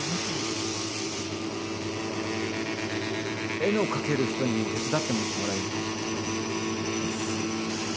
絵の描ける人に手伝ってもらい。ます。